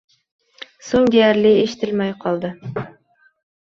So`ng deyarli eshtilmay qoldi